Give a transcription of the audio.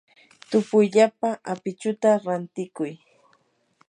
tupuyllapa apichuta rantikuy.